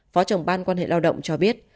phó trồng ban quan hệ lao động cho biết